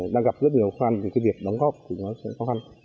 đang gặp rất nhiều khó khăn vì cái việc đóng góp của nó rất là khó khăn